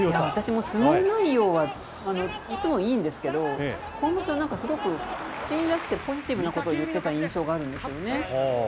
私も相撲内容はいつもいいんですけど、今場所はすごく、口に出してポジティブなことを言ってた印象があるんですよね。